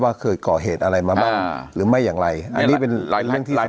เคยก่อเหตุอะไรมาบ้างหรือไม่อย่างไรอันนี้เป็นหลายเรื่องที่หลาย